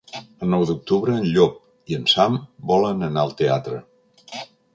El nou d'octubre en Llop i en Sam volen anar al teatre.